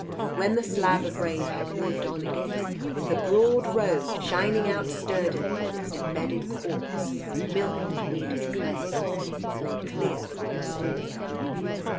When the slab of rain had moved on again, the broad road, shining out sturdily with its embedded quartz and milky kneaded clay, lay clear once more.